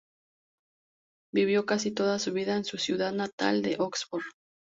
Vivió casi toda su vida en su ciudad natal de Oxford.